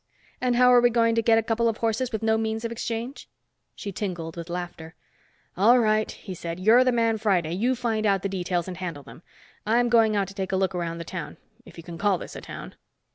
And how are we going to get a couple of horses with no means of exchange?" She tinkled laughter. "All right," he said. "You're the Man Friday. You find out the details and handle them. I'm going out to take a look around the town—if you can call this a town."